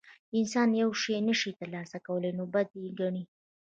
انسان چې یو شی نشي ترلاسه کولی نو بد یې ګڼي.